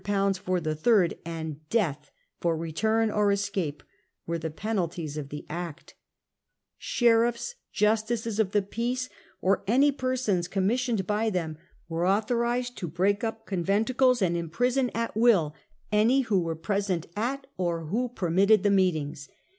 for the third, and death for return or escape, were the penalties of the Act Sheriffs, justices of the peace, or any persons commissioned by them, were authorised to break up conventicles and imprison at will any who were present at or who permitted the meetings.